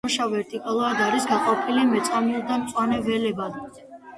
დროშა ვერტიკალურად არის გაყოფილი მეწამულ და მწვანე ველებად.